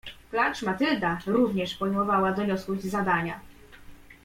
"Klacz Matylda również pojmowała doniosłość zadania."